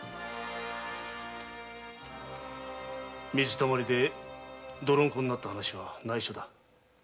水たまりで泥んこになった話はないしょだ。